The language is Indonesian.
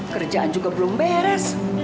kerjaan juga belum beres